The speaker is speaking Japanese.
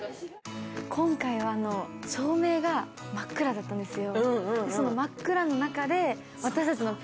今回照明が真っ暗だったんですよ。